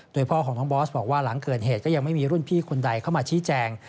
โดยพ่อของน้องบอสบอกว่าหลังเกิดเหตุก็ยังไม่มีรุ่นพี่คนใดเข้ามาชี้แจง